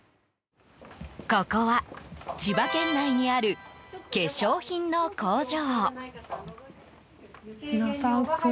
ここは千葉県内にある化粧品の工場。